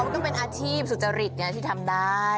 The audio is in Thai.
อ๋อมันก็เป็นอาชีพสุจริตเนี่ยที่ทำได้